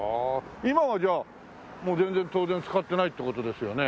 今はじゃあもう全然当然使ってないって事ですよね？